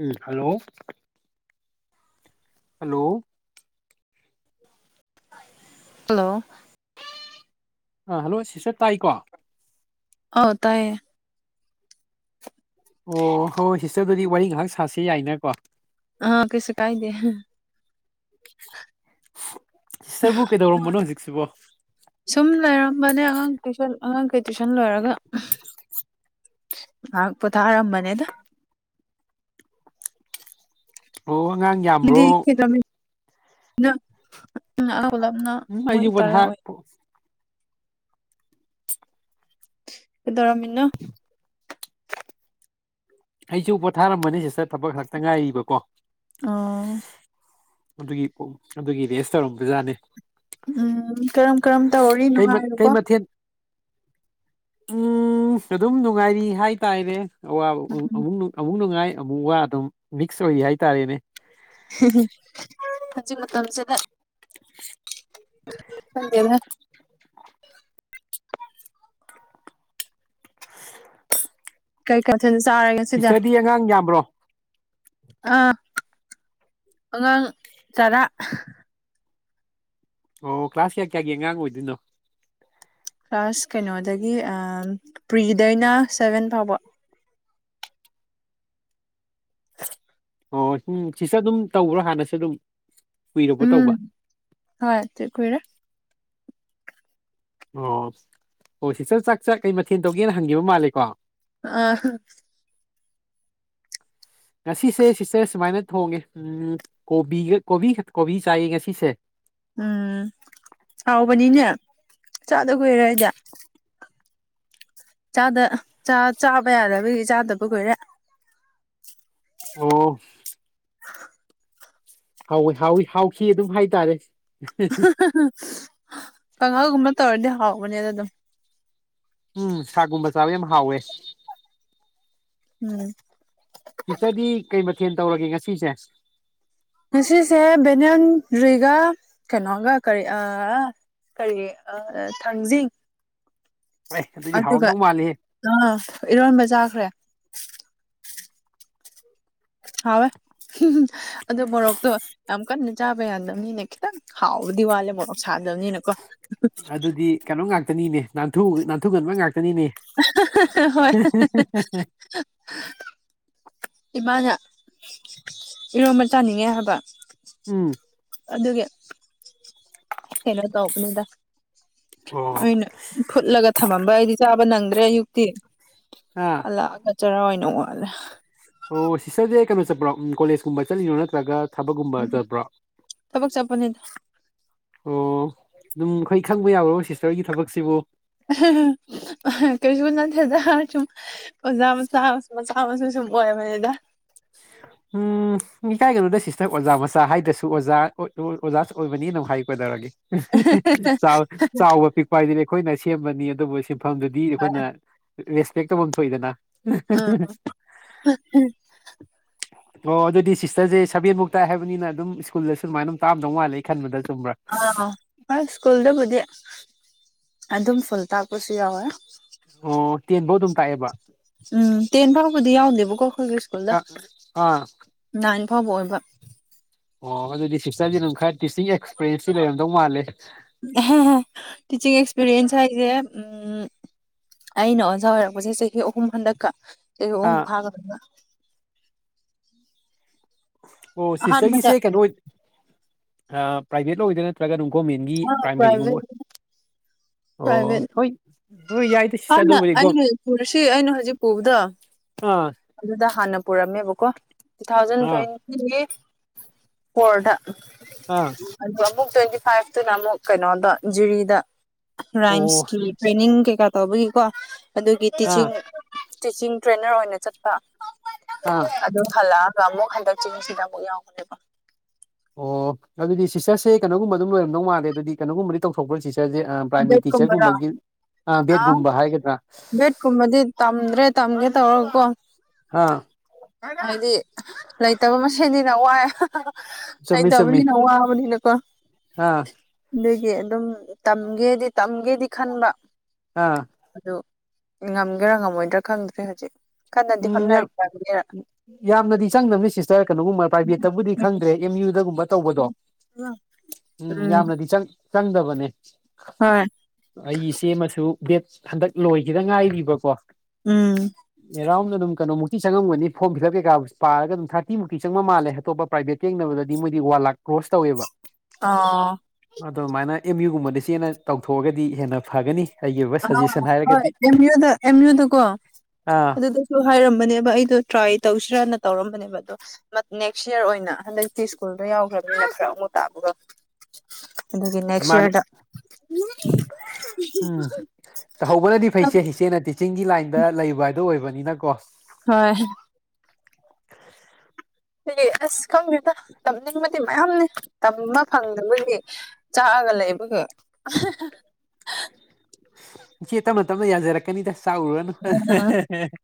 ꯎꯝ hello hello hello hello sister ꯇꯥꯏꯀꯣ ꯑꯥꯎ ꯇꯥꯏꯌꯦ ꯑꯣ ꯍꯣꯏ ꯁꯤꯁꯇꯔꯒꯗꯤ ꯋꯥꯔꯤ ꯉꯥꯏꯍꯥꯛ ꯁꯥꯁꯤ ꯌꯥꯏꯅꯀꯣ ꯑꯥ ꯀꯩꯁꯨ ꯀꯥꯏꯗꯦ [unintelligible] [unintelligible] ꯁꯤꯁꯇꯔꯕꯨ ꯀꯩꯗꯧꯔꯝꯕꯅꯣ ꯍꯧꯖꯤꯛꯁꯤꯕꯣ ꯁꯨꯝ ꯂꯩꯔꯝꯕꯅꯦ ꯑꯍꯥꯡ ꯇꯨꯏꯁꯟ ꯑꯉꯥꯡ ꯀꯩ ꯇꯨꯏꯁꯟ ꯂꯣꯏꯔꯒ [unintelligible] ꯉꯍꯥꯛ ꯄꯣꯊꯥꯔꯝꯕꯅꯦꯗꯥ ꯑꯣ ꯑꯉꯥꯡ ꯌꯥꯝ [unintelligible] ꯑꯉꯥꯡ ꯄꯨꯂꯞꯅ ꯎꯝ ꯃꯣꯏ ꯑꯩꯁꯨ ꯇꯔꯥ ꯄꯣꯊꯥ ꯑꯣꯏ ꯀꯩꯗꯧꯔꯝꯃꯤꯅꯣ ꯑꯩꯁꯨ ꯄꯣꯊꯥꯔꯝꯕꯅꯦ ꯁꯤꯁꯇꯔ ꯊꯕꯛ ꯍꯜꯂꯛꯇ ꯉꯥꯏꯔꯤꯕꯀꯣ ꯑꯣ ꯑꯗꯨꯒꯤ [unintelligible] ꯑꯗꯨꯒꯤ ꯔꯦꯁ ꯇꯧꯔꯝꯕꯖꯥꯠꯅꯦ ꯎꯝ ꯀꯔꯝ ꯀꯔꯝ ꯇꯧꯔꯤ ꯀꯩ ꯃꯠ ꯅꯨꯡꯉꯥꯏꯔꯤꯕꯣ ꯀꯩ ꯃꯊꯦꯜ ꯎꯝ ꯑꯗꯨꯝ ꯅꯨꯡꯉꯥꯏꯔꯤ ꯍꯥꯏꯇꯥꯔꯦꯅꯦ ꯑꯋꯥꯕ [unintelligible] [unintelligible] ꯑꯃꯨꯛ ꯅꯨꯡꯉꯥꯏ ꯑꯃꯨꯛ ꯋꯥ ꯑꯗꯨꯝ ꯃꯤꯛꯁ ꯑꯣꯏꯔꯤ ꯍꯥꯏꯇꯥꯔꯦꯅꯦ ꯍꯦꯍꯦ [unintelligible] ꯍꯧꯖꯤꯛ ꯃꯇꯝꯁꯤꯗ ꯈꯪꯗꯦ [unintelligible] [unintelligible] ꯀꯩ [unintelligible] ꯊꯦꯜ ꯆꯥꯔꯦ ꯉꯁꯤꯗꯤ ꯁꯤꯁꯇꯔꯗꯤ ꯑꯉꯥꯡ ꯌꯥꯝꯕ꯭ꯔꯣ ꯑꯥ [unintelligible] ꯑꯉꯥꯡ ꯆꯔꯥ ꯑꯣ ꯀ꯭ꯂꯥꯁ ꯀꯌꯥ ꯀꯌꯥꯒꯤ ꯑꯉꯥꯡ ꯑꯣꯏꯗꯣꯏꯅꯣ ꯀ꯭ꯂꯥꯁ ꯀꯩꯅꯣꯗꯒꯤ ꯑꯥꯝ ꯄ꯭ꯔꯤꯗꯩꯅ ꯁꯚꯦꯟ ꯐꯥꯎꯕ ꯑꯣ ꯎꯝ ꯁꯤꯁꯇꯔ ꯗꯨꯝ ꯇꯧꯕ꯭ꯔꯣ ꯍꯥꯟꯅꯁꯨ ꯗꯨꯝ ꯎꯝ ꯍꯣꯢ [unintelligible] ꯀꯨꯢꯔꯦ ꯑꯣ ꯑꯣ ꯁꯤꯁꯇꯔ ꯆꯥꯛ ꯆꯥꯛ ꯀꯩ ꯃꯊꯦꯜ ꯇꯧꯒꯦꯅ ꯍꯟꯈꯤꯕ ꯃꯥꯜꯂꯦꯀꯣ ꯑꯥ ꯍ ꯉꯁꯤꯁꯦ ꯁꯤꯁꯇꯔ ꯁꯨꯃꯥꯏꯅ ꯊꯣꯡꯉꯦ ꯎꯝ ꯀꯣꯕꯤꯒ ꯀꯣꯕꯤ [unintelligible] ꯀꯣꯕꯤ ꯆꯥꯏꯌꯦ ꯉꯁꯤꯁꯦ ꯎꯝ ꯍꯥꯎꯕꯅꯤꯅꯦ ꯆꯥꯗ ꯀꯨꯏꯔꯦ ꯑꯩꯗꯤ ꯆꯥꯗ ꯆꯥ ꯆꯥꯕ ꯌꯥꯗꯕꯒꯤ ꯆꯥꯗꯕ ꯀꯨꯏꯔꯦ ꯑꯣ ꯍꯥꯎꯋꯤ ꯍꯥꯎꯋꯤ ꯍꯥꯎꯈꯤ ꯑꯗꯨꯝ ꯍꯥꯏꯇꯥꯔꯦ [unintelligible] [unintelligible] ꯀꯥꯡꯉꯧꯒꯨꯝꯕ ꯇꯧꯔꯗꯤ ꯍꯥꯎꯕꯅꯦꯗ ꯗꯨꯝ ꯎꯝ ꯁꯥꯒ ꯒꯨꯝꯕ ꯆꯥꯕ ꯌꯥꯝ ꯍꯥꯎꯋꯦ ꯎꯝ ꯁꯤꯁꯇꯔꯗꯤ ꯀꯩ ꯃꯊꯦꯜ ꯇꯧꯔꯒꯦ ꯉꯁꯤꯁꯦ ꯉꯁꯤꯁꯦ ꯕꯦꯅꯟ ꯗ꯭ꯔꯤꯒ ꯀꯩꯅꯣꯒ ꯀꯔꯤ ꯑꯥ ꯀꯔꯤ ꯑ ꯑꯩ ꯊꯪꯖꯤꯡ [unintelligible] ꯑꯗꯨꯗꯤ ꯍꯥꯎꯔꯝꯗꯧ ꯃꯥꯜꯂꯦ ꯑꯥ ꯏꯔꯣꯟꯕ ꯆꯥꯈꯔꯦ ꯍꯥꯎꯋꯦ [unintelligible] ꯑꯗꯣ ꯃꯣꯔꯣꯛꯇꯣ ꯌꯥꯝ ꯀꯟꯅ ꯆꯥꯕ ꯌꯥꯗꯝꯅꯤꯅ ꯈꯤꯇꯪ ꯍꯥꯎꯕꯗꯤ ꯋꯥꯠꯂꯦ ꯃꯣꯔꯣꯛ ꯁꯥꯗꯕꯅꯤꯅꯀꯣ [unintelligible] ꯑꯗꯨꯗꯤ ꯀꯩꯅꯣ ꯉꯥꯛꯇꯅꯤꯅꯦ ꯅꯥꯟꯊꯨ ꯅꯥꯟꯊꯨꯒꯟꯕ ꯉꯥꯛꯇꯅꯤꯅꯦ [unintelligible] ꯍꯣꯏ [unintelligible] ꯏꯃꯥꯅ ꯏꯔꯣꯝꯕ ꯆꯥꯅꯤꯡꯉꯦ ꯍꯥꯏꯕ ꯎꯝ ꯑꯗꯨꯒꯤ ꯀꯩꯅꯣ ꯇꯧꯕꯅꯤꯗ ꯑꯣ ꯑꯩꯅ ꯐꯨꯠꯂꯒ ꯊꯝꯃꯝꯕ ꯑꯩꯗꯤ ꯆꯥꯕ ꯅꯪꯗ꯭ꯔꯦ ꯑꯌꯨꯛꯇꯤ ꯑꯥ ꯍꯜꯂꯛꯑꯒ ꯆꯔꯥ ꯑꯣꯏꯅ ꯋꯥꯜꯂꯦ ꯑꯣ ꯁꯤꯁꯇꯔꯖꯦ ꯀꯩꯅꯣ ꯆꯠꯄꯔꯣ ꯀꯣꯂꯦꯖꯀꯨꯝꯕ ꯆꯠꯂꯤꯔꯣ ꯅꯠꯇ꯭ꯔꯥꯒ ꯊꯕꯛꯀꯨꯝꯕ ꯆꯠꯄꯔꯣ ꯊꯕꯛ ꯆꯠꯄꯅꯤꯗ ꯑꯣ ꯑꯗꯨꯝ ꯑꯩꯈꯣꯏ ꯈꯪꯕ ꯌꯥꯕꯔꯣ ꯁꯤꯁꯇꯔꯒꯤ ꯊꯕꯛꯁꯤꯕꯨ ꯀꯩꯁꯨ ꯅꯠꯇꯦꯗ ꯁꯨꯝ ꯑꯣꯖꯥ ꯃꯆꯥꯃꯥ ꯁꯨꯝ ꯃꯆꯥ ꯃꯆꯥ ꯃꯁꯨ ꯁꯨꯝ ꯑꯣꯏꯕꯅꯤꯗ ꯎꯝ ꯏꯀꯥꯏꯒꯅꯨꯗ ꯁꯤꯁꯇꯔ ꯑꯣꯖꯥ ꯃꯆꯥ ꯍꯥꯏꯗꯔꯥꯁꯨ ꯑꯣꯖꯥ ꯑꯣꯖꯥ ꯑꯣꯏꯕꯅꯤ ꯍꯥꯏꯒꯗꯧꯔꯒꯦ ꯆꯥꯎ ꯆꯥꯎꯕ ꯄꯤꯛꯄ ꯍꯥꯏꯗꯨꯗꯤ ꯑꯩꯈꯣꯏꯅ ꯁꯦꯝꯕꯅꯤ ꯑꯗꯨꯕꯨ ꯁꯤꯟꯐꯝꯗꯨꯗꯤ ꯗꯤ ꯑꯩꯈꯣꯏꯅ ꯔꯦꯁꯄꯦꯛ ꯇꯧꯐꯝ ꯊꯣꯛꯏꯗꯅ ꯎꯝ [unintelligible] ꯑꯣ ꯑꯗꯨꯗꯤ ꯁꯤꯁꯇꯔꯁꯦ ꯁꯕꯦꯟꯕꯨꯛ ꯇꯥꯑꯦ ꯍꯥꯏꯕꯅꯤꯅ ꯑꯗꯨꯝ ꯁ꯭ꯀꯨꯜꯗꯁꯨ ꯑꯃꯥꯏꯅ ꯑꯗꯨꯝ ꯇꯥꯛꯑꯝꯗꯧ ꯃꯥꯜꯂꯦ ꯑꯩ ꯈꯟꯕꯗ ꯆꯨꯝꯕ꯭ꯔꯥ ꯑꯥ ꯍꯣꯏ ꯁ꯭ꯀꯨꯜꯗꯕꯨꯗꯤ ꯑꯗꯨꯝ ꯐꯨꯜ ꯇꯥꯛꯄꯁꯨ ꯌꯥꯎꯋꯦ ꯑꯣ ꯇꯦꯟꯕꯧ ꯑꯗꯨꯝ ꯇꯥꯛꯑꯦꯕ ꯎꯝ ꯇꯦꯟ ꯐꯥꯎꯕꯗꯤ ꯌꯥꯎꯗꯦꯕꯀꯣ ꯑꯩꯈꯣꯏꯒꯤ ꯁ꯭ꯀꯨꯜꯗ ꯑ ꯑꯥ ꯅꯥꯏꯟ ꯐꯥꯎꯕ ꯑꯣꯏꯕ ꯑꯣ ꯑꯗꯨꯗꯤ ꯁꯤꯁꯇꯔꯖꯦ ꯑꯗꯨꯝ ꯈꯔ ꯇꯤꯆꯤꯡ ꯑꯦꯛꯁꯄꯔꯦꯟꯁꯇꯤ ꯂꯩꯔꯝꯗꯧ ꯃꯥꯜꯂꯦ ꯇꯤꯆꯤꯡ ꯑꯦꯛꯁꯄꯤꯔꯤꯌꯦꯟꯁ ꯍꯥꯏꯁꯦ ꯎꯝ ꯑꯩꯅ ꯑꯣꯖꯥ ꯑꯣꯏꯔꯛꯄꯁꯦ ꯆꯍꯤ ꯑꯍꯨꯝ ꯍꯟꯗꯛꯀꯥ ꯆꯍꯤ ꯑꯍꯨꯝ ꯑꯥ ꯐꯥꯒꯗꯣꯏꯕ ꯑꯣ ꯑꯍꯥꯟꯕꯗ ꯁꯤꯁꯇꯔꯒꯤꯁꯦ ꯀꯩꯅꯣ ꯑꯣꯏ ꯄ꯭ꯔꯥꯏꯚꯦꯠꯇ ꯑꯣꯏꯗꯣꯏ ꯅꯠꯇ꯭ꯔꯒ ꯑꯗꯨꯝ ꯒꯣꯃꯦꯟꯒꯤ ꯄꯔꯥꯏꯃꯥꯔꯤꯒꯨꯝꯕ ꯄ꯭ꯔꯥꯏꯚꯦꯠ ꯑꯣꯏ ꯄ꯭ꯔꯥꯏꯚꯦꯠ ꯑꯣ ꯍꯣꯏ ꯍꯣꯏ ꯌꯥꯏꯗ ꯁꯤꯁꯇꯔ ꯍꯥꯟꯅ ꯑꯗꯨꯕꯨꯗꯤ ꯒꯣ ꯑꯩꯅ ꯄꯨꯔꯁꯤ ꯑꯩꯅ ꯍꯧꯖꯤꯛ ꯄꯨꯕꯗꯣ ꯑꯥ ꯑꯗꯨꯗ ꯍꯥꯟꯅ ꯄꯨꯔꯝꯃꯦꯕꯀꯣ ꯇꯨ ꯊꯥꯎꯖꯟ ꯑꯥ ꯇ꯭ꯋꯦꯟ ꯐꯣꯔꯗ ꯑꯥ ꯑꯗꯨ ꯑꯃꯨꯛ ꯇ꯭ꯋꯦꯟꯇꯤ ꯐꯥꯏꯚꯇꯨꯅ ꯑꯃꯨꯛ ꯀꯩꯅꯣꯗꯟ ꯖꯤꯔꯤꯗ ꯑꯣ ꯔꯥꯏꯝꯁꯀꯤ ꯇ꯭ꯔꯦꯅꯤꯡ ꯀꯩꯀꯥ ꯇꯧꯕꯒꯤꯀꯣ ꯑꯗꯨꯒꯤ ꯑꯥ ꯇꯤꯆꯤꯡ ꯇꯤꯆꯤꯡ ꯇ꯭ꯔꯦꯅꯔ ꯑꯣꯏꯅ ꯆꯠꯄ ꯑꯥ ꯑꯗꯨ ꯍꯜꯂꯛ ꯑꯒ ꯑꯃꯨꯛ ꯍꯟꯗꯛ ꯆꯍꯤꯁꯤꯗ ꯑꯃꯨꯛ ꯌꯥꯎꯕꯅꯦꯕ ꯑꯣ ꯑꯗꯨꯗꯤ ꯁꯤꯁꯇꯔꯁꯦ ꯀꯅꯥꯒꯨꯝꯕ ꯑꯗꯨꯝ ꯂꯣꯏꯔꯝꯗꯧ ꯃꯥꯜꯂꯦ ꯑꯗꯨꯗꯤ ꯀꯅꯥꯒꯨꯝꯕꯗꯤ ꯇꯧꯊꯣꯛꯈ꯭ꯔꯣ ꯁꯤꯁ ꯇꯔꯁꯦ ꯄ꯭ꯔꯥꯏꯃꯥꯔꯤ ꯕꯦꯠꯀꯨꯝꯕꯔ ꯇꯤꯆꯔꯒꯨꯝꯕꯒꯤ ꯕꯦꯗꯀꯨꯝꯕ ꯍꯥꯏꯒꯗ꯭ꯔꯥ ꯕꯦꯠ ꯀꯨꯝꯕꯗꯤ ꯇꯝꯗ꯭ꯔꯦ ꯇꯝꯒꯦ ꯇꯧꯔꯒꯀꯣ ꯑꯥ ꯍꯥꯏꯗꯤ ꯂꯩꯇꯕ ꯃꯁꯦꯟꯅꯤꯅ ꯋꯥꯏ ꯆꯨꯝꯃꯤ ꯆꯨꯝꯃꯤ ꯂꯩꯇꯝꯅꯤꯅ ꯋꯥꯕꯅꯤꯅꯀꯣ ꯑꯥ ꯑꯗꯨꯒꯤ ꯑꯗꯨꯝ ꯇꯝꯒꯦꯗꯤ ꯇꯝꯒꯦꯗꯤ ꯈꯟꯕ ꯑꯥ ꯑꯗꯣ ꯉꯝꯒꯦꯔꯥ ꯉꯝꯃꯣꯏꯗ꯭ꯔꯥ ꯈꯪꯗ꯭ꯔꯦ ꯍꯧꯖꯤꯛ ꯀꯟꯅꯗꯤ ꯎꯝ ꯌꯥꯝ ꯍꯣꯠꯅꯔꯤ ꯇꯝꯒꯦꯔ ꯌꯥꯝꯅꯗꯤ ꯆꯪꯗꯝꯅ ꯁꯤꯁꯇꯔ ꯀꯩꯅꯣꯒꯨꯝꯕ ꯄ꯭ꯔꯥꯏꯚꯦꯠꯇꯕꯨꯗꯤ ꯈꯪꯗ꯭ꯔꯦ ꯑꯦꯝ ꯌꯨꯗꯒꯨꯝꯕ ꯇꯧꯕꯗꯣ ꯎꯝ ꯌꯥꯝꯅꯗꯤ ꯆꯪꯗꯕꯅꯦ ꯍꯣꯏ ꯑꯩ ꯏꯆꯦꯃꯁꯨ ꯕꯦꯠ ꯍꯟꯗꯛ ꯂꯣꯏꯒꯤꯗ ꯉꯥꯏꯔꯤꯕꯀꯣ ꯎꯝ ꯑꯦꯔꯥꯎꯟ ꯑꯗꯨꯝ ꯀꯩꯅꫭꯃꯨꯛꯇꯤ ꯆꯪꯉꯝꯒꯅꯤ ꯐꫭꯝ ꯐꯤꯂꯞ ꯀꯩꯀꯥ ꯄꯥꯔꯒ ꯑꯗꯨꯝ ꯊꯥꯔꯇꯤꯃꯨꯛꯇꯤ ꯆꯪꯕ ꯃꯥꯜꯂꯦ ꯑꯇꫭꯞꯄ ꯄ꯭ꯔꯥꯏꯚꯦꯠ ꯌꯦꯡꯅꯕꯗꯗꯤ ꯃꯣꯏꯗꯤ ꯋꯥꯟ ꯂꯥꯛ ꯀ꯭ꯔꯣꯁ ꯇꯧꯋꯦꯕ ꯇꯥ ꯑꯗꯨꯝꯃꯥꯏꯅ ꯑꯦꯝ ꯌꯨ ꯒꯨꯝꯕꯗ ꯏꯆꯦꯅ ꯇꯧꯊꯣꯑꯒꯗꯤ ꯍꯦꯟꯅ ꯐꯒꯅꯤ ꯑꯩꯒꯤ ꯑꯣꯏꯕ ꯑ ꯁꯖꯦꯁꯟ ꯍꯣꯏ ꯍꯥꯏꯔꯒꯗꯤ ꯑꯦꯝ ꯌꯨꯗ ꯑꯦꯝ ꯌꯨꯗꯀꯣ ꯑ ꯑꯗꯨꯗꯁꯨ ꯍꯥꯏꯔꯝꯕꯅꯦꯕ ꯑꯩꯗꯣ ꯇ꯭ꯔꯥꯏ ꯇꯧꯁꯤꯔꯅ ꯇꯧꯔꯝꯕꯅꯦꯕ ꯑꯗꯣ [unintelligible] ꯅꯦꯛꯁ ꯌꯔ ꯑꯣꯏꯅ ꯍꯟꯗꯛꯇꯤ ꯁ꯭ꯀꯨꯜꯗꫭ ꯌꯥꯎꯒ꯭ꯔꯝꯅꯤꯅ ꯐꯔꯛ ꯑꯃꯨꯛ ꯇꯥꯕꯒ ꯑꯗꯨꯒꯤ ꯅꯦꯛꯁ ꯃꯥꯅꯦ ꯌꯔꯗ [unintelligible] ꯇꯍꯧꯕꯅꯗꯤ ꯐꯩ ꯏꯆꯦ ꯏꯆꯦꯅ ꯇꯤꯆꯤꯡꯒꯤ ꯂꯥꯏꯟꯗ ꯂꯩꯕ ꯍꯥꯏꯗꯣ ꯑꯣꯏꯕꯅꯤꯅꯀꯣ ꯍꯣꯏ [unintelligible] ꯑꯁ ꯈꯪꯗꯦꯗ ꯇꯝꯅꯤꯡꯕꯗꯤ ꯃꯌꯥꯝꯅꯤ ꯇꯝꯕ ꯐꯪꯗꯕꯒꯤ ꯆꯥꯛꯑꯒ ꯂꯩꯕꯒꯤ [unintelligible] ꯏꯆꯦ ꯇꯝꯅ ꯇꯝꯅ ꯌꯥꯖꯔꯛꯀꯅꯤꯗ ꯆꯥꯛꯎꯔꯅꯨ [unintelligible]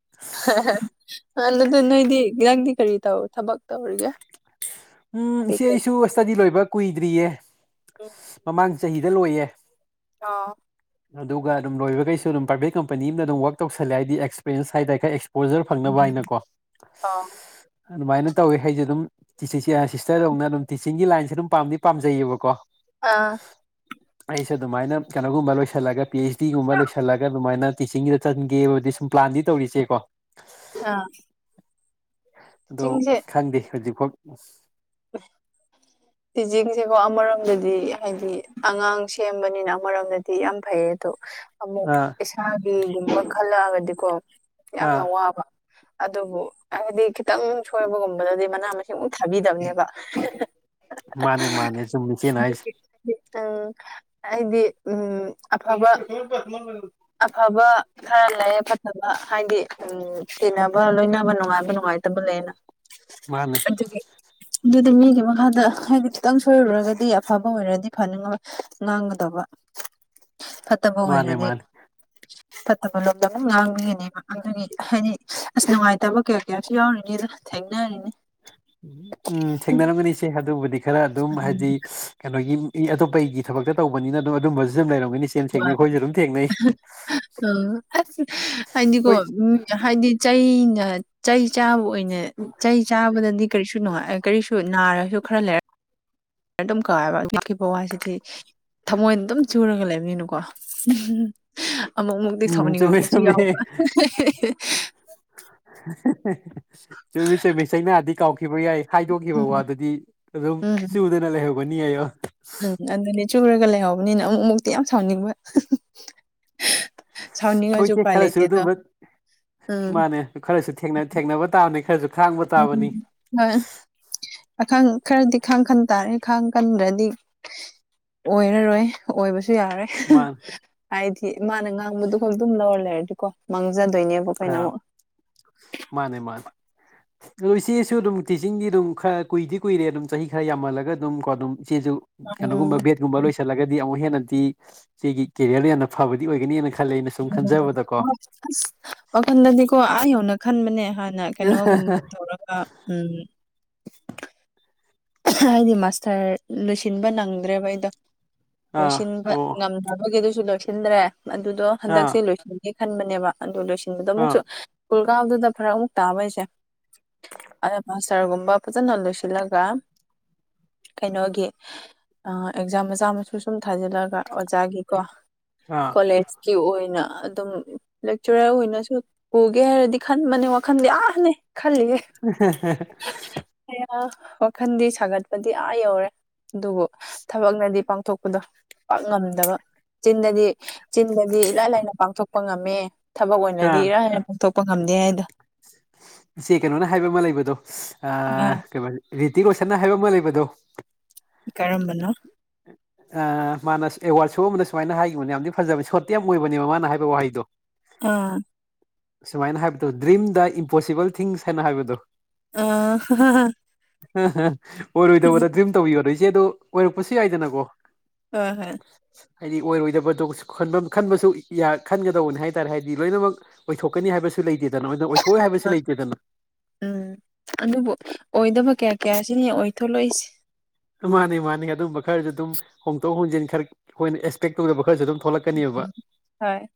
ꯑꯗꯨꯗ ꯅꯣꯏꯗꯤ ꯅꯪꯗꯤ ꯀꯔꯤ ꯇꯧ ꯊꯕꯛ ꯇꯧꯔꯤꯒꯦ ꯎꯝ ꯏꯆꯦ ꯀꯩꯀꯩ ꯑꯩꯁꯨ ꯏꯁꯇꯗꯤ ꯂꯣꯏꯕ ꯀꯨꯏꯗ꯭ꯔꯤꯌꯦ ꯃꯃꯥꯡ ꯆꯍꯤꯗ ꯂꯣꯏꯌꯦ ꯑꫭ ꯑꯗꯨꯒ ꯑꯗꯨꯝ ꯂꯣꯏꯕ ꯑꯩꯁꯨ ꯑꯗꯨꯝ ꯄꯔ꯭ꯥꯏꯚꯦꯠ ꯀꯝꯄꯅꯤ ꯑꯃꯅ ꯑꯗꯨꯝ ꯋꯥꯛ ꯇꯧꯁꯜꯂꯦ ꯍꯥꯏꯗꯤ ꯑꯦꯛꯁꯄꯤꯔꯦꯟꯁ [unintelligible] ꯄꯣꯖꯔ ꯐꯪꯅꯕ ꯍꯥꯏꯅꯀꯣ ꯑꯣ [unintelligible] ꯑꯗꯨꯝꯃꯥꯏꯅ ꯇꯧꯋꯤ ꯑꯩꯖꯦ ꯑꯗꯨꯝ [unintelligible] ꯁꯤꯛꯁꯇꯔꯗꯧꯅ ꯑꯗꯨꯝ ꯇꯤꯆꯤꯡꯒꯤ ꯂꯥꯏꯟꯁꯦ ꯑꯗꯨꯝ ꯄꯥꯝꯗꯤ ꯄꯥꯝꯖꯩꯌꯦꯕꯀꯣ ꯑ [inaudible] ꯑꯩꯁꯨ ꯑꯗꯨꯝꯃꯥꯏꯅ ꯀꯩꯅꯣꯒꯨꯝꯕ ꯂꯣꯏꯁꯜꯂꯒ ꯄꯤ ꯑꯩꯆ ꯗꯤꯒꯨꯝꯕ ꯂꯣꯏꯁꯜꯂꯒ ꯑꯗꯨꯝꯃꯥꯏꯅ ꯇꯤꯆꯤꯡꯒꯤꯗ ꯆꯡꯒꯦꯕꯨꯗꯤ ꯁꯨꯝ ꯄ꯭ꯂꯥꯟꯗꯤ ꯇꯧꯔꯤ‌ ꯏꯆꯦ ꯀꫭ ꯑ ꯑꯗꯣ ꯈꯪꯗꯦ ꯍꯧꯖꯤꯛꯐꯥꯎ [unintelligible] ꯇꯤꯖꯤꯡꯖꯦꯀꯣ ꯑꯃꯔꯣꯝꯗꯗꯤ ꯍꯥꯏꯗꯤ ꯑꯉꯥꯡ ꯁꯦꯝꯕꯅꯤꯅ ꯑꯃꯔꯣꯝ ꯗꯗꯤ ꯌꯥꯝ ꯐꯩꯌꯦ ꯑꯗꯨ ꯑꯃꯨꯛ ꯑꯥ ꯏꯁꯥꯒꯤꯒꯨꯝꯕ ꯈꯜꯂꯛꯑꯒꯗꯤꯀꯣ ꯌꯥꯝꯅ ꯑꯥ ꯋꯥꯕ ꯑꯗꯨꯕꯨ ꯍꯥꯏꯕꯗꯤ ꯈꯤꯇꯪ ꯁꯣꯏꯕꯒꯨꯝꯕꯗꯗꯤ ꯃꯅꯥ ꯃꯁꯤꯡ ꯑꯃꯨꯛ ꯊꯥꯕꯤꯗꯝꯅꯦꯕ [unintelligible] ꯃꯥꯅꯤ ꯃꯥꯅꯦ ꯆꯨꯝꯃꯦ ꯏꯆꯦꯅ ꯍꯥꯏ ꯑ ꯑꯩꯗꯤ ꯎꯝ ꯑꯐꯕ [unintelligible] ꯑꯐꯕ ꯈꯔ ꯂꯩꯌꯦ ꯐꯠꯇꯕ ꯍꯥꯏꯗꯤ ꯎꯝ ꯇꯤꯟꯅꯕ ꯂꯣꯏꯅꯕ ꯅꯨꯡꯉꯥꯏꯕ ꯅꯨꯡꯉꯥꯏꯇꯕ ꯂꯩꯌꯦꯅ ꯃꯥꯅꯦ ꯑꯗꯨꯗ ꯃꯤꯒꯤ ꯃꯈꯥꯗ ꯍꯥꯏꯗꯤ ꯈꯤꯇꯪ ꯁꯣꯏꯔꯨꯔꯒꯗꯤ ꯑꯐꯕ ꯑꯣꯏꯔꯗꯤ ꯐꯅꯤꯡꯉꯥ ꯏ ꯉꯥꯡꯒꯗꯕ [inaudible] ꯐꯠꯇꯕ ꯑꯣꯏꯔꯗꯤ ꯃꯥꯅꯦ ꯐꯠꯇꯕ ꯂꯣꯝꯗ ꯑꯃꯨꯛ ꯉꯥꯡꯕꯤꯒꯅꯦꯕ ꯑꯗꯨꯒꯤ ꯍꯥꯏꯗꯤ ꯑꯁ ꯅꯨꯡꯉꯥꯏꯇꯕ ꯀꯌꯥ ꯀꯌꯥꯁꯨ ꯌꯥꯎꯔꯤꯅꯤꯗ ꯊꯦꯡꯅꯔꯤꯅꯦ ꯎꯝ ꯊꯦꯡꯅꯔꯝꯒꯅꯤꯁꯦ ꯑꯗꯨꯕꯨꯗꯤ ꯈꯔ ꯑꯗꯨꯝ ꯍꯥꯏꯗꯤ ꯀꯩꯅꯣꯒꯤ ꯏ ꯑꯇꯣꯞꯄ ꯑꯩꯒꯤ ꯊꯕꯛꯇ ꯇꯧꯕꯅꯤꯅ ꯑꯣ ꯑꯗꯨꯝꯕꯁꯨ ꯑꯗꯨꯝ ꯂꯩꯔꯝꯒꯅꯤ ꯁꯤ ꯑ ꯑꯁ ꯍꯥꯏꯗꯤ ꯀꯣ ꯍꯣꯏ ꯍꯥꯏꯗꯤ ꯆꯩꯅ ꯆꯩ ꯆꯥꯕ ꯑꯣꯏꯅ ꯆꯩ ꯆꯥꯕꯗꯗꯤ ꯀꯔꯤꯁꯨ ꯅꯨꯡꯉꯥꯏ ꯀꯔꯤꯁꯨ ꯅꯥꯔꯁꯨ ꯈꯔ ꯂꯩꯔ ꯑꯗꯨꯝ ꯀꯥꯎꯋꯦꯕ ꯑꯣꯛꯈꯤꯕ ꯋꯥꯁꯤꯗꯤ ꯊꯃꯣꯏꯗ ꯑꯗꯨꯝ ꯆꯨꯔꯒ ꯂꯩꯕꯅꯤꯅꯀꯣ ꯎꯝ [unintelligible] ꯑꯃꯨꯛ ꯃꯨꯛꯇꯤ ꯎꯝ ꯆꯨꯝꯃꯦ ꯁꯥꯎꯅꯤꯡꯉꯛꯄꯁꯨ ꯆꯨꯝꯃꯦ ꯌꯥꯎꯕ [unintelligible] [unintelligible] ꯆꯨꯝꯃꯤꯁꯦ ꯃꯤꯆꯩꯅꯥꯗꯤ ꯀꯥꯎꯈꯤꯕ ꯌꯥꯏ ꯍꯥꯏꯗꯣꯛꯈꯤꯕ ꯋꯥꯗꯨꯗꯤ ꯑꯗꯨꯝ ꯎꯝ ꯆꯨꯗ ꯅ ꯂꯩꯍꯧꯒꯅꯤ ꯑꯌꯣ ꯎꯝ ꯑꯗꯨꯅꯤ ꯆꯨꯔꯒ ꯂꯩꯍꯧꯕꯅꯤꯅ ꯑꯃꯨꯛ ꯃꯨꯛꯇꯤ ꯌꯥꯝ ꯁꯥꯎꯅꯤꯡꯕ [unintelligible] ꯁꯥꯎꯅꯤꯡꯉꯁꯨ ꯍꯣꯏꯁꯦ ꯎꯄꯥꯏ ꯈꯔꯁꯨ ꯂꯩꯇꯦꯗꯣ ꯑꯗꯨꯝꯕ ꯎꯝ ꯃꯥꯅꯦ ꯈꯔꯁꯨ ꯊꯦꯡꯅ ꯊꯦꯡꯅꯕ ꯇꯥꯕꯅꯦ ꯈꯔꯁꯨ ꯈꯥꯡꯕ ꯇꯥꯕꯅꯤ [unintelligible] ꯍꯣꯏ ꯑꯈꯥꯡ ꯈꯔꯗꯤ ꯈꯥꯡ ꯈꯟ ꯇꯥꯔꯦ ꯈꯥꯡ ꯀꯟꯗ꯭ꯔꯗꯤ ꯑꯣꯏꯔꯔꯣꯏ ꯑꯣꯏꯕꯁꯨ ꯌꯥꯔꯦ ꯃꯥꯅꯦ ꯍꯥꯏꯗꯤ ꯃꯥꯅ ꯉꯥꯡꯕꯗꯨ ꯈꯛ ꯑꯗꯨꯝ ꯂꯧꯔ ꯂꯩꯔꯗꯤꯀꯣ ꯃꯥꯡꯖꯗꯣꯏꯅꯦꯕ ꯑꯩꯈꯣꯏꯅ ꯑꯥ ꯑꯃꯨꯛ ꯃꯥꯅꯦ ꯃꯥꯅꯦ ꯑꯗꯣ ꯏꯆꯦꯁꯨ ꯑꯗꯨꯝ ꯇꯤꯆꯤꯡꯗꯤ ꯑꯗꯨꯝ ꯈꯔ ꯀꯨꯏꯗꯤ ꯀꯨꯏꯔꯦ ꯑꯗꯨꯝ ꯆꯍꯤ ꯈꯔ ꯌꯥꯝꯃꯜꯂꯒ ꯑꯗꯨꯝ ꯀꯣ ꯑꯗꯨꯝ ꯏꯆꯦꯖꯨ ꯀꯩꯅꯣꯒꯨꯝꯕ ꯎꯝ ꯕꯦꯠꯀꯨꯝꯕ ꯂꯣꯏꯁꯤꯜꯂꯒꯗꯤ ꯑꯃꯨꯛ ꯍꯦꯟꯅꯗꯤ ꯆꯦꯒꯤ ꯀꯦꯔꯤꯌꯔꯗꯣ ꯌꯥꯝꯅ ꯐꯕꯗꯤ ꯑꯣꯏꯒꯅꯤꯅ ꯈꯜꯂꯦ ꯑꯩꯅ ꯁꯨꯝ ꯈꯟꯖꯕꯗꯀꯣ ꯍꯣꯏ ꯑꯁ ꯋꯥꯈꯟꯗꯗꯤꯀꯣ ꯑꯥ ꯌꯧꯅ ꯈꯟꯕꯅꯦ ꯍꯥꯟꯅ ꯀꯩꯅꯣꯒꯨꯝꯕ ꯇꯧꯔꯒ ꯎꯝ ꯍꯥꯏꯗꯤ ꯃꯥꯁꯇꯔ ꯂꯣꯏꯁꯤꯟꯕ ꯅꯪꯗ꯭ꯔꯦꯕ ꯑꯩꯗꯣ ꯑꯥ ꯂꯣꯏꯁꯤꯟꯕ ꯑꯣ ꯉꯝ ꯕꯒꯤ ꯑꯗꯨꯁꯨ ꯂꯣꯏꯁꯤꯟꯗ꯭ꯔꯦ ꯑꯗꯨꯗꯣ ꯑꯥ ꯍꯟꯗꯛꯁꯦ ꯂꯣꯏꯁꯤꯟ ꯈꯟꯕꯅꯦꯕ ꯑꯗꯨ ꯂꯣꯏꯁꯤꯟꯕꯗ ꯑꯥ ꯑꯃꯨꯛꯁꯨ ꯁ꯭ꯀꯨꯜ ꯀꯥꯕꯗꯨꯗ ꯐꯔ ꯑꯃꯨꯛ ꯇꯥꯕꯩꯁꯦ ꯑꯗ ꯃꯥꯁꯇꯔꯒꯨꯝꯕ ꯐꯖꯅ ꯂꯣꯏꯁꯤꯜꯂꯒ ꯀꯩꯅꯣꯒꯤ ꯑ ꯑꯦꯛꯖꯥꯝ ꯃꯆꯥ ꯃꯁꯨ ꯁꯨꯝ ꯊꯥꯖꯤꯜꯂꯒ ꯑꯣꯖꯥꯒꯤꯀꯣ ꯑ ꯀꯣꯂꯦꯖꯀꯤ ꯑꯣꯏꯅ ꯑꯗꯨꯝ ꯂꯦꯛꯆꯔꯔ ꯑꯣꯏꯅꯁꯨ ꯄꯨꯒꯦ ꯍꯥꯏꯔꯗꯤ ꯈꯟꯕꯅꯦ ꯋꯥꯈꯟꯗꯤ ꯌꯥꯝꯅꯤ ꯈꯜꯂꯤꯍꯦ [unintelligible] ꯋꯥꯈꯟꯗꯤ ꯁꯥꯒꯠꯄꯗꯤ ꯑꯥ ꯌꯧꯔꯦ ꯑꯗꯨꯕꯨ ꯊꯕꯛꯅꯗꯤ ꯄꯥꯡꯊꯣꯛꯄꯗꯣ ꯄꯥꯛ ꯉꯝꯗꯕ ꯆꯤꯟꯗꯗꯤ ꯆꯤꯟꯗꯗꯤ ꯏꯂꯥꯏ ꯂꯥꯏꯅ ꯄꯥꯡꯊꯣꯛꯄ ꯉꯝꯃꯦ ꯊꯕꯛ ꯑꯣꯏꯅꯗꯤ ꯏꯔꯥꯏ ꯂꯥꯏꯅ ꯄꯥꯡꯊꯣꯛꯄ ꯉꯝꯗꯦ ꯍꯥꯏꯗꯣ ꯁꯤ ꯀꯩꯅꯣꯅ ꯍꯥꯏꯕ ꯑꯃ ꯂꯩꯕꯗꯣ ꯑꯥ ꯀꯩꯕ ꯔꯤꯇꯤ ꯔꯣꯁꯟꯅ ꯍꯥꯏꯕ ꯑꯃ ꯂꯩꯕꯗꯣ ꯀꯔꯝꯕꯅꯣ [unintelligible] ꯑ ꯃꯥꯅ ꯑꯦꯋꯥꯔꯗ ꯁꯣ ꯑꯃꯅ ꯁꯨꯃꯥꯏꯅ ꯍꯥꯏꯈꯤꯕꯅꯦ ꯌꯥꯝꯗꯤ ꯐꯖꯕꯅꯦ ꯁꯣꯔꯠꯇꯤ ꯌꯥꯝ ꯑꯣꯏꯕꯅꯦꯕ ꯃꯥꯅ ꯍꯥꯏꯕ ꯋꯥꯍꯩꯗꯣ ꯑꯥ ꯁꯨꯃꯥꯏꯅ ꯍꯥꯏꯕꯗꯣ ꯗ꯭ꯔꯤꯝꯗ ꯏꯝꯄꯣꯁꯤꯕꯜ ꯊꯤꯡꯁ ꯍꯥꯏꯅ ꯍꯥꯏꯕꯗꯣ ꯑ [unintelligible] [unintelligible] ꯑꯣꯏꯔꯣꯏꯗꯕꯗ ꯗ꯭ꯔꯤꯝ ꯇꯧꯕꯤ ꯌꯣꯗꯣ ꯏꯆꯦ ꯑꯗꯣ ꯑꯣꯏꯔꯛꯄꯁꯨ ꯌꯥꯏꯗꯅꯀꯣ ꯍꯣꯏ ꯍꯣꯏ ꯍꯥꯏꯗꯤ ꯑꯣꯏꯔꯣꯏꯗꯕꯗꯣ ꯈꯟꯕꯝ ꯈꯟꯕꯁꯨ ꯌꯥ ꯈꯟꯒꯗꯧꯕꯅꯤ ꯍꯥꯏ ꯇꯥꯔꯦ ꯍꯥꯏꯗꯤ ꯂꯣꯏꯅꯃꯛ ꯑꯣꯏꯊꯣꯛ ꯀꯅꯤ ꯍꯥꯏꯕꯁꯨ ꯂꯩꯇꯦꯗꯅ ꯑꯗꯨ ꯑꯣꯏꯊꯣꯛꯏ ꯍꯥꯏꯕꯁꯨ ꯂꯩꯇꯦꯗꯅ ꯎꯝ ꯑꯗꯨꯕꯨ ꯑꯣꯏꯗꯕ ꯀꯌꯥ ꯀꯌꯥꯁꯤꯅꯤ ꯑꯣꯏꯊꫭꯡꯂꯛꯏꯁꯦ ꯃꯥꯅꯤ ꯃꯥꯅꯤ ꯑꯗꯨꯝꯕ ꯈꯔꯁꯨ ꯑꯗꯨꯝ ꯍꯣꯡꯗꯣꯛ ꯍꯣꯡꯖꯤꯟ ꯈꯔ ꯑꯩꯈꯣꯏꯅ ꯑꯦꯛꯁꯄꯦꯛ ꯇꯧꯗꯕ ꯈꯔꯁꯨ ꯑꯗꯨꯝ ꯊꯣꯛꯂꯛꯀꯅꯦꯕ ꯍꫭꯏ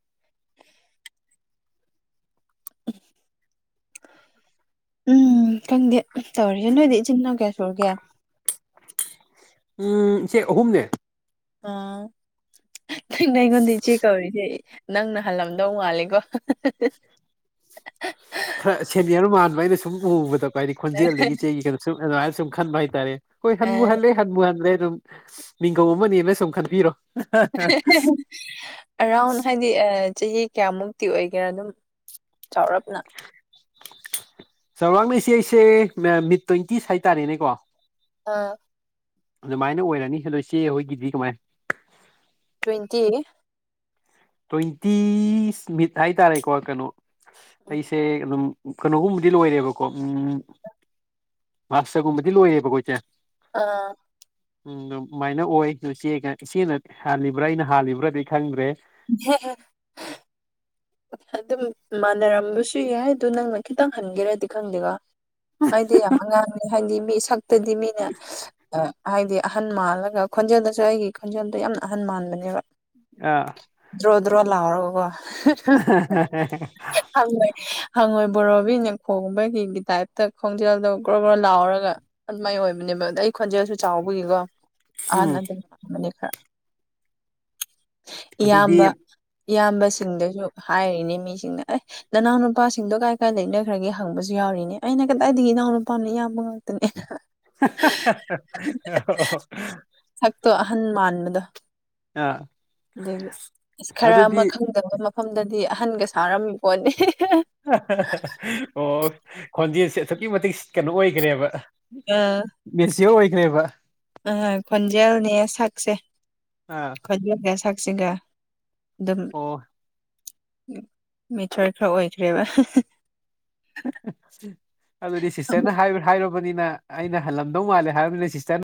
ꯎꯝ ꯈꯪꯗꯦ ꯇꯧꯔꯤꯁꯦ ꯅꯣꯏꯗꯤ ꯏꯆꯤꯟꯜꯅꯥꯎ ꯀꯌꯥ ꯁꯨꯔꯒꯦ ꯎꯝ ꯏꯆꯦ ꯑꯍꯨꯝꯅꯦ ꯑꫭ ꯀꯩꯅꫭ ꯑꯩꯉꯣꯟꯗ ꯏꯆꯦ ꯀꯧꯔꯤꯁꯦ ꯅꯪꯅ ꯍꯜꯂꯝꯗꯧ ꯃꯥꯜꯂꯦꯀꯣ ꯈꯔ ꯁꯦꯅꯤꯌꯔ ꯃꯥꯟꯕ ꯑꯩꯅ ꯁꯨꯝ ꯎꯕꯗ ꯀꫭ ꯍꯥꯏꯗꯤ ꯈꯣꯟꯖꯦꯜꯗꯒꯤ ꯆꯩꯒꯤ ꯀꯩꯅꯣ ꯁꯨꯝ ꯑꯗꯨꯃꯥꯏꯅ ꯁꯨꯝ ꯈꯟꯕ ꯍꯥꯏꯇꯥꯔꯦ ꯍꯣꯏ ꯑꯥ ꯍꯟꯕꯨꯨ ꯍꯜꯂꯦ ꯍꯟꯕꯨ ꯍꯟꯗ꯭ꯔꯦ ꯑꯗꯨꯝ ꯃꯤꯡꯒꯧ ꯑꯃꯅꯦꯅ ꯁꯨꯝ ꯈꯟꯕꯤꯔꯣ [inaudible] ꯑꯔꯥꯎꯟ ꯍꯥꯏꯗꯤ ꯑꯥ ꯆꯍꯤ ꯀꯌꯥꯃꯨꯛꯇꯤ ꯑꯣꯏꯒꯦꯔꯥ ꯑꯗꯨꯝ ꯆꯥꯎꯔꯞꯅ ꯆꯥꯎꯔꯞꯅ ꯏꯁꯦ ꯏꯁꯦ ꯃꯌꯥꯝ ꯃꯤꯠ ꯇ꯭ꯋꯦꯟꯇꯤꯁ ꯍꯥꯏꯇꯥꯔꯦꯅꯦꯀꯣ ꯑꯥ ꯑꯗꯨꯃꯥꯏꯅ ꯑꯣꯏꯔꯅꯤ ꯑꯗꯣ ꯏꯆꯦ ꯍꯣꯏꯒꯤꯗꯤ ꯀꯃꯥꯏ ꯇ꯭ꯋꯦꯟꯇꯤ ꯇ꯭ꯋꯦꯟꯇꯤꯁ ꯃꯤꯠ ꯍꯥꯏꯇꯥꯔꯦꯀꯣ ꯀꯩꯅꯣ ꯑꯩꯁꯦ ꯑꯗꯨꯝ ꯀꯩꯅꯣꯒꯨꯝꯕꯗꯤ ꯂꯣꯏꯔꯦꯕꯀꯣ ꯎꯝ ꯃꯥꯁꯇꯔꯒꯨꯝꯕꯗꯤ ꯂꯣꯏꯔꯦꯕꯀꯣ ꯏꯆꯦ ꯑꯥ ꯎꯝ ꯑꯗꯨꯃꯥꯏꯅ ꯑꯣꯏ ꯏꯆꯦꯒꯥ ꯏꯆꯦꯅ ꯍꯥꯜꯂꯤꯕ꯭ꯔꯥ ꯑꯩꯅ ꯍꯥꯜꯂꯤꯕ꯭ꯔꯥꯗꯤ ꯈꯪꯗ꯭ꯔꯦ ꯏ ꯍꯦ ꯍꯦ ꯑꯗꯨꯝ ꯃꯥꯟꯅꯔꯝꯕꯁꯨ ꯌꯥꯏ ꯑꯗꯨ ꯅꯪꯅ ꯈꯤꯇꯪ ꯍꯟꯒꯦꯔꯗꯤ ꯈꯪꯗꯦꯕꯥ ꯑꯩꯗꯤ ꯌꯥꯝ ꯑꯉꯥꯡꯅꯤ ꯍꯥꯏꯗꯤ ꯃꯤ ꯁꯛꯇꯗꯤ ꯃꯤꯅ ꯑꯥ ꯍꯥꯏꯗꯤ ꯑꯍꯥꯟ ꯃꯥꯜꯂꯒ ꯈꯣꯟꯖꯦꯜꯗꯁꯨ ꯑꯩꯒꯤ ꯈꯣꯟꯖꯦꯜꯗꯣ ꯌꯥꯝꯅ ꯑꯍꯥꯟ ꯃꯥꯟꯕꯅꯦꯕ ꯑꯥ ꯗ꯭ꯔꫭ ꯗ꯭ꯔꫭ ꯂꯥꯎꯔꯒꯀꫭ [inaudible] ꯍꯪꯉꯣꯏ ꯍꯪꯉꯣꯏ ꯕꯣꯔꯣꯕꯤꯅ ꯈꯣꯡꯕꯒꯤ ꯒꯤ ꯇꯥꯏꯞꯇ ꯈꯣꯡꯖꯦꯜꯗꯣ ꯒ꯭ꯔꯣ ꯒ꯭ꯔꯣ ꯂꯥꯎꯔꯒ ꯑꯗꯨꯃꯥꯏ ꯑꯣꯏꯕꯅꯦꯕ ꯑꯩ ꯈꯣꯟꯖꯦꯜꯁꯨ ꯆꯥꯎꯕꯒꯤꯀꯣ ꯎꯝ ꯑꯍꯥꯟꯅ ꯑꯗꯨꯝ ꯊꯝꯕꯅꯦ ꯈꯔ ꯑꯗꯨꯗꯤ ꯏꯌꯥꯝꯕ ꯏꯌꯥꯝꯕꯁꯤꯡꯗꯁꯨ ꯍꯥꯏꯔꯤꯅꯤ ꯃꯤꯁꯤꯡꯅ ꯑꯦ ꯅꯅꯥꯎ ꯅꯨꯄꯥꯁꯤꯡꯗꯣ ꯀꯥꯏ ꯀꯥꯏ ꯂꯩꯅꯈ꯭ꯔꯥꯒꯦ ꯍꯪꯕꯁꯨ ꯌꯥꯎꯔꯤꯅꯦ ꯑꯩꯅ ꯀꯗꯥꯏꯗꯒꯤ ꯏꯅꯥꯎ ꯅꯨꯄꯥꯅꫭ ꯏꯌꯥꯝꯕ ꯉꯥꯛꯇꯅꯦ ꯑꯣ ꯁꯛꯇꯣ ꯑꯍꯥꯟ ꯃꯥꯟꯕꯗꯣ ꯑꯥ ꯑꯗꯨꯒꯤ ꯑꯁ ꯈꯔ ꯑꯃ ꯑꯗꯨꯗꯤ ꯈꯪ ꯀ ꯃꯐꯝꯗꯗꯤ ꯑꯍꯥꯟꯒ ꯁꯔꯝꯃꯤ ꯄꯣꯠꯅꯤ ꯑꯣ ꯈꯣꯟꯖꯦꯜꯁꯦ ꯑꯁꯨꯛꯀꯤ ꯃꯇꯤꯛ ꯀꯩꯅꯣ ꯑꯣꯏꯈꯔꯦꯕ ꯑꯥ ꯃꯦꯆ꯭ꯌꯨꯔ ꯑꯣꯏꯈꯔꯦꯕ ꯑ ꯈꯣꯟꯖꯦꯜꯅꯦ ꯁꯛꯁꯦ ꯑꯥ ꯈꫭꯟꯖꯦꯜꯅꯦ ꯁꯛꯁꯤꯡꯒ ꯑꯗꯨꯝ ꯑꯣ ꯃꯦꯆ꯭ꯌꯨꯔ ꯈꯔ ꯑꯣꯏꯈ꯭ꯔꯦꯕ ꯑꯗꯨꯗꯤ ꯁꯤꯁꯇꯔꯅ ꯍꯥꯏꯔ ꯍꯥꯏꯔꯨꯔꯕꯅꯤꯅ ꯑꯩꯅ ꯍꯜꯂꯝꯗꯧ ꯃꯥꯜꯂꯦ ꯍꯥꯏꯔꯕꯅꯤꯅ ꯁꯤꯁꯇꯔꯅ